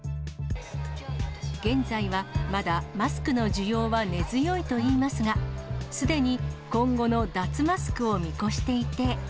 現在はまだマスクの需要は根強いといいますが、すでに今後の脱マスクを見越していて。